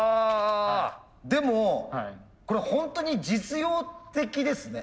でもこれホントに実用的ですね。